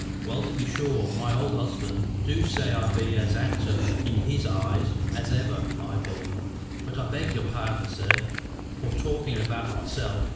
"Well to be sure, my old husband du say I be as handsome in his eyes as ever I be. But I beg your pardon, sir, for talkin' about myself.